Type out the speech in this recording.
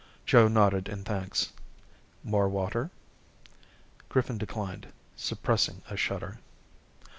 Joe nodded his thanks. "More water?" Griffin declined, suppressing a shudder.